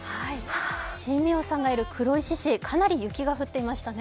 新名さんがいる黒石市かなり雪が降っていましたね。